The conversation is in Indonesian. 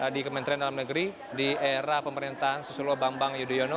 di kementerian dalam negeri di era pemerintahan susilo bambang yudhoyono